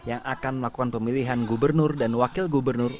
yang akan melakukan pemilihan gubernur dan wakil gubernur